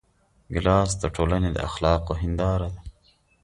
ګیلاس د ټولنې د اخلاقو هنداره ده.